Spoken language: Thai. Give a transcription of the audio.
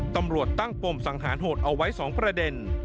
ตำรวจตั้งปมสังหารโหดเอาไว้๒ประเด็น